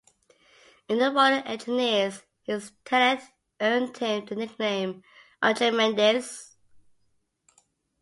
In the Royal Engineers, his intellect earned him the nickname "Archimedes".